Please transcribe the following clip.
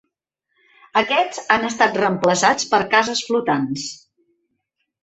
Aquests han estat reemplaçats per cases flotants.